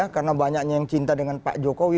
karena banyaknya yang cinta dengan pak jokowi